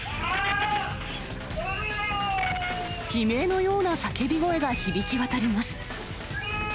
悲鳴のような叫び声が響き渡ります。